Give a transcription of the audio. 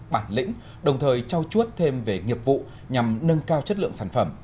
bản lĩnh đồng thời trao chuốt thêm về nghiệp vụ nhằm nâng cao chất lượng sản phẩm